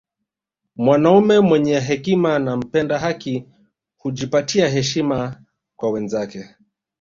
Mwanaume mwenye hekima na mpenda haki hujipatia heshima kwa wenzake